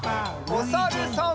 おさるさん。